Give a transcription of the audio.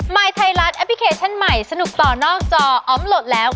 ยไทยรัฐแอปพลิเคชันใหม่สนุกต่อนอกจออมโหลดแล้ว